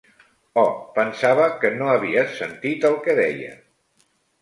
Oh, pensava que no havies sentit el que deia.